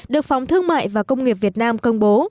được phòng thương mại và công nghiệp việt nam công bố